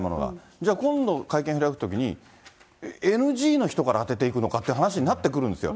じゃあ今度会見開くとき、ＮＧの人から当てていくのかっていう話になってくるんですよ。